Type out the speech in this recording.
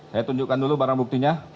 saya tunjukkan dulu barang buktinya